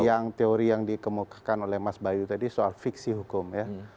yang teori yang dikemukakan oleh mas bayu tadi soal fiksi hukum ya